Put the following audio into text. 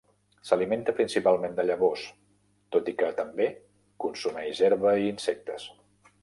S'alimenta principalment de llavors, tot i que també consumeix herba i insectes.